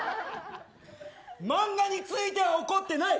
漫画については怒ってない。